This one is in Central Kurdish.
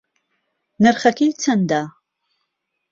نرخەکەی چەندە؟